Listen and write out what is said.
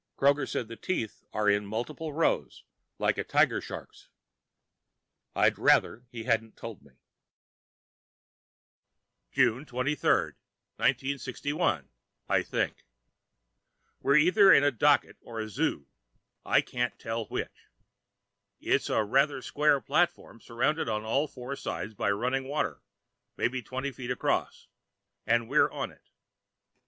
Kroger says the teeth are in multiple rows, like a tiger shark's. I'd rather he hadn't told me. June 23, 1961, I think We're either in a docket or a zoo. I can't tell which. There's a rather square platform surrounded on all four sides by running water, maybe twenty feet across, and we're on it.